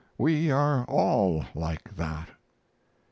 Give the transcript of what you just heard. We are all like that."